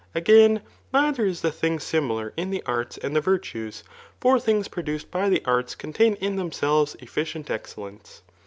Again, Hdther^ is the thing similar in the arts and the yirtiuss ; fitf thkge produced by the arts contain in themselves eflkient excellence.